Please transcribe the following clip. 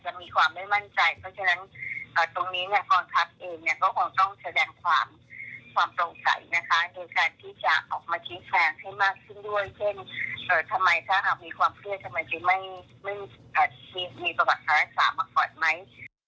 เช่นทำไมถ้ามีความเพื่อทำไมจะไม่มีประวัติศาสตร์มาก่อนไหม